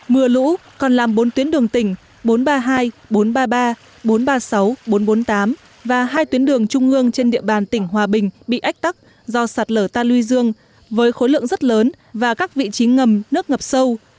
mưa lũ còn làm bốn tuyến đường tỉnh bốn trăm ba mươi hai bốn trăm ba mươi ba bốn trăm ba mươi sáu bốn trăm bốn mươi tám và hai tuyến đường trung ương trên địa bàn tỉnh hòa bình bị ách tắc do sạt lở ta luy dương với khối lượng rất lớn và các vị trí ngầm nước ngập sâu